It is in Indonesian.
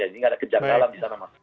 jadi nggak ada kejanggalan di sana